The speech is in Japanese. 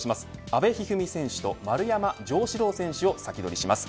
阿部一二三選手と丸山城志郎選手を先取りします。